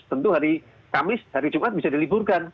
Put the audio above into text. tentu hari kamis hari jumat bisa diliburkan